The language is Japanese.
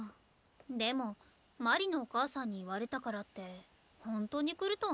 でも鞠莉のお母さんに言われたからってほんとに来るとはね。